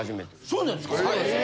そうなんですよ。